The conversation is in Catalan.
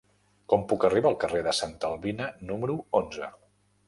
Com puc arribar al carrer de Santa Albina número onze?